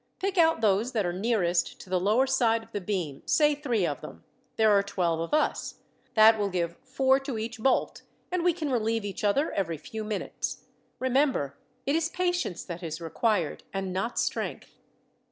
Pick out those that are nearest to the lower side of the beam, say three of them. There are twelve of us. That will give four to each bolt, and we can relieve each other every few minutes. Remember, it is patience that is required, and not strength."